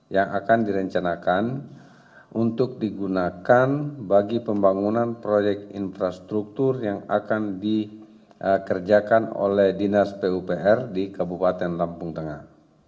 yang akan direncanakan untuk digunakan bagi pembangunan proyek infrastruktur yang akan dikerjakan oleh dinas pupr di kabupaten lampung tengah